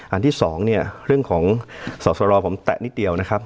อันที่สองเนี่ยเรื่องของสอสรผมแตะนิดเดียวนะครับ